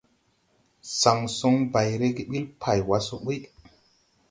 Saŋ soŋ bay rege ɓil pay wa so buy.